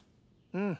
うん。